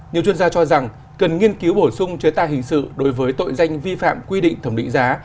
nhiều chuyên gia cho rằng cần nghiên cứu bổ sung chế tài hình sự đối với tội danh vi phạm quy định thẩm định giá